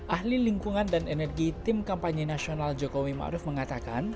ahli lingkungan dan energi tim kampanye nasional jokowi ma'ruf mengatakan